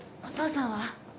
お父さんは？